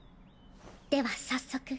では早速。